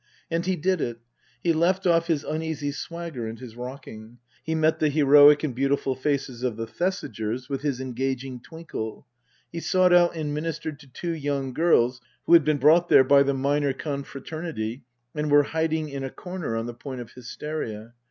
And he did it. He left off his uneasy swagger and his rocking. He met the heroic and beautiful faces of the Thesigers with his engaging twinkle. He sought out and ministered to two young girls who had been brought there by the minor confra ternity and were hiding in a corner on the point of hysteria.